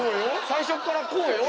最初からこうよ。